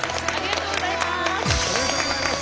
ありがとうございます。